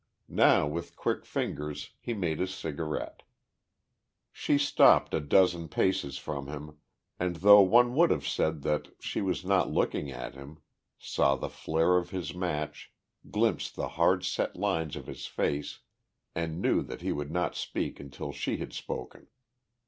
Now with quick fingers he made his cigarette. She stopped a dozen paces from him, and though one would have said that she was not looking at him, saw the flare of his match, glimpsed the hard set lines of his face, and knew that he would not speak until she had spoken.